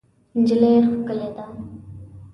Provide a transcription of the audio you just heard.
نجلۍ ښکلې ده.